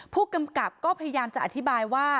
ผู้กำกับก็พยายามจะอธิบายกันนะครับ